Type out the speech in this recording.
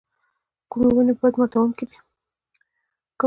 کومې ونې باد ماتوونکي دي؟